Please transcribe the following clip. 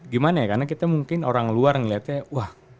gimana ya karena kita mungkin orang luar ngeliatnya wah